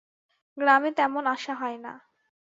গ্রামে তেমন আসা হয় না।